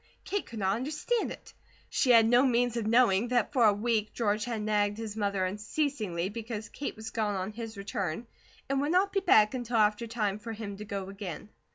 Kate could not understand it. She had no means of knowing that for a week George had nagged his mother unceasingly because Kate was gone on his return, and would not be back until after time for him to go again.